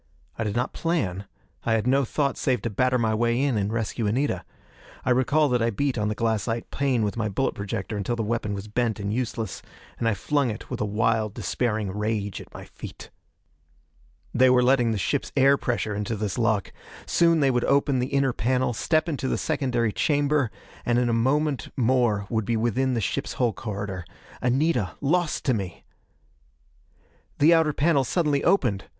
I did not plan; I had no thought save to batter my way in and rescue Anita. I recall that I beat on the glassite pane with my bullet projector until the weapon was bent and useless; and I flung it with a wild, despairing rage at my feet. They were letting the ship's air pressure into this lock. Soon they would open the inner panel, step into the secondary chamber and in a moment more would be within the ship's hull corridor. Anita, lost to me! The outer panel suddenly opened!